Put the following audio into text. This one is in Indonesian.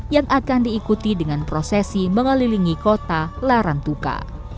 yang akan diikuti dengan prosesi mengelilingi kota larang tuka